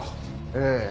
ええ。